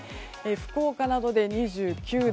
福岡などで２９度。